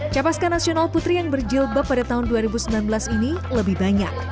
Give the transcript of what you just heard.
capaskan nasional putri yang berjilbab pada tahun dua ribu sembilan belas ini lebih banyak